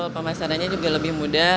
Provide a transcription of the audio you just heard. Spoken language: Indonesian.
pemasarannya juga lebih mudah